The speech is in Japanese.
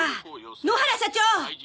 野原社長！